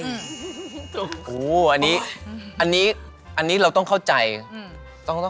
ยิ่งอ่านยิ่งเห็น